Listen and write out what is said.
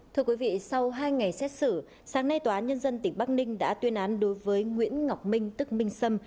thưa quý vị sau hai ngày xét xử sáng nay tòa án nhân dân tỉnh bắc ninh đã tuyên án đối với nguyễn ngọc minh tức minh sâm